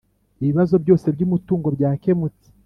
ibibazo byose by umutungo byarakemutse